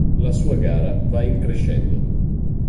La sua gara va in crescendo.